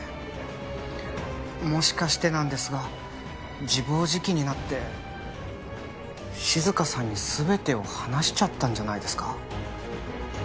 もしかしてなんですが自暴自棄になって静香さんに全てを話しちゃったんじゃないですか？